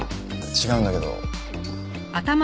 違うんだけど。